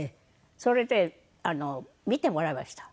それで診てもらいました。